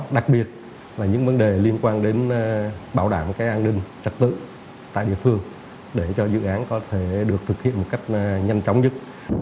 đặc biệt là những vấn đề liên quan đến bảo đảm an ninh trật tự tại địa phương để cho dự án có thể được thực hiện một cách nhanh chóng nhất